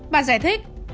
bà giải thích